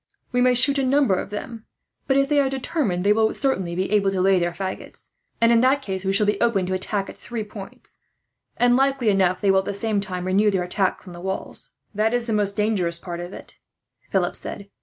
"We may shoot a number of them but, if they are determined, they will certainly be able to lay their faggots; and in that case we shall be open to attack at three points, and likely enough they will at the same time renew their attack on the walls." "That is the most dangerous part of it," Philip said.